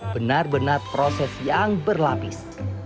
benar benar proses yang berlapis